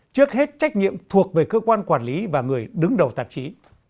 trước hết trách nhiệm thuộc về cơ quan quản lý và người đứng đầu tạp chí